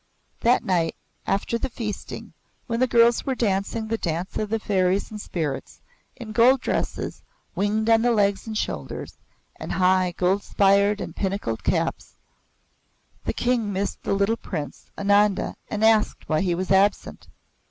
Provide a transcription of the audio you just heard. That night, after the feasting, when the girls were dancing the dance of the fairies and spirits, in gold dresses, winged on the legs and shoulders, and high, gold spired and pinnacled caps, the King missed the little Prince, Ananda, and asked why he was absent.